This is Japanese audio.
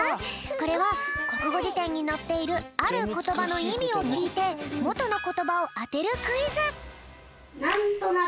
これはこくごじてんにのっているあることばのいみをきいてもとのことばをあてるクイズ。